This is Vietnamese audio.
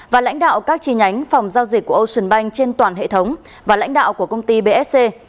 và lãnh đạo các chi nhánh phòng giao dịch của ocean bank trên toàn hệ thống và lãnh đạo của công ty bsc